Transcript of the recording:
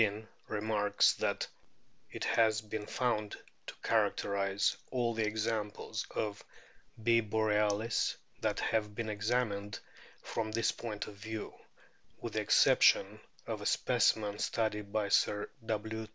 Struthers). 148 A BOOK OF WHALES van Beneden remarks that it has been found to characterise all the examples of B. borealis that have been examined from this point of view, with the exception of a specimen studied by Sir W.